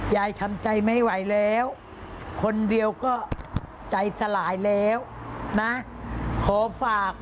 ยายทำใจไม่ไหวแล้วคนเดียวก็ใจสลายแล้วนะขอฝาก